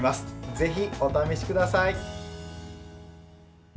ぜひ、お試しください。